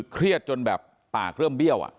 เครียดจนแบบปากเริ่มเบี้ยว